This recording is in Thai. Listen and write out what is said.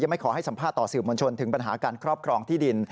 ไม่ขอให้สัมภาษณ์ต่อสื่อมวลชนถึงปัญหาการครอบครองที่ดิน